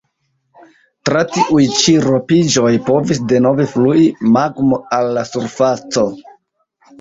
Tra tiuj ĉi ropiĝoj povis denove flui magmo al la surfaco.